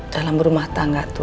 dalam rumah tangga tuh